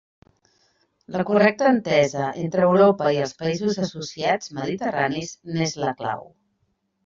La correcta entesa entre Europa i els països associats mediterranis n'és la clau.